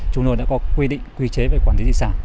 chúng tôi đã có quy định quy chế về quản lý di sản